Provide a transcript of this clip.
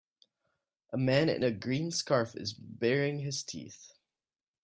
A man in a green scarf is bearing his teeth.